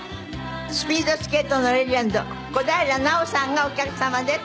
スピードスケートのレジェンド小平奈緒さんがお客様です。